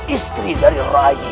istri dari rai